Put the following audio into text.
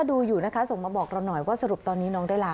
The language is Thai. ดูอยู่นะคะส่งมาบอกเราหน่อยว่าสรุปตอนนี้น้องได้ลา